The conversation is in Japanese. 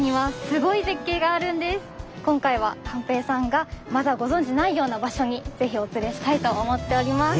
今回は寛平さんがまだご存じないような場所にぜひお連れしたいと思っております。